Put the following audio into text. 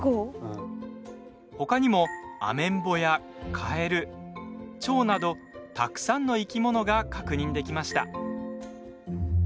他にもアメンボやカエルチョウなどたくさんの生き物が確認できました。